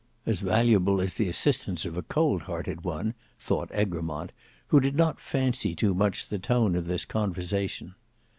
"As valuable as the assistance of a cold hearted one," thought Egremont, who did not fancy too much the tone of this conversation.